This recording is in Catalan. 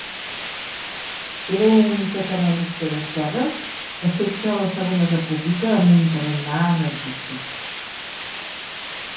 Era un catalanista d'esquerres afecte a la Segona República, amb un tarannà anarquista.